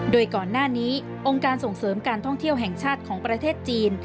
โดยก่อนหน้านี้องค์การส่งเสริมการท่องเที่ยวแห่งชาติของประเทศจีน